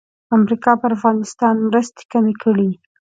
امریکا پر افغانستان مرستې کمې کړې.